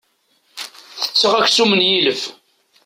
Tetteɣ aksum n yilef.